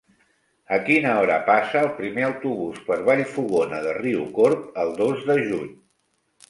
A quina hora passa el primer autobús per Vallfogona de Riucorb el dos de juny?